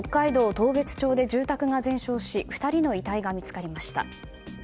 当別町で住宅が全焼し２人の遺体が見つかりました。